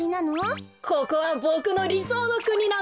ここはボクのりそうのくになんだ。